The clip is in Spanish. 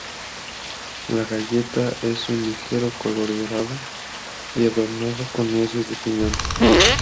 La galleta es de un ligero color dorado y adornado con nueces de piñón.